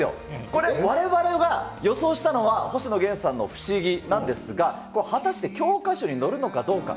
これ、われわれは予想したのは、星野源さんの不思議なんですが、これ、果たして教科書に載るのかどうか。